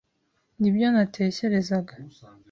Nibyo natekerezaga.